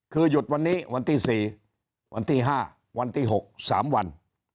คือหยุดวันนี้วันที่๔วันที่๕วันที่๖๓วัน